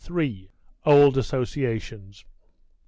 OLD ASSOCIATIONS.